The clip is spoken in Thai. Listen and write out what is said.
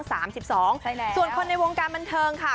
ส่วนคนในวงการบันเทิงค่ะ